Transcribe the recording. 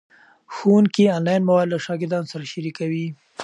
ښوونکي آنلاین مواد له شاګردانو سره شریکوي.